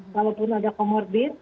walaupun ada komorbid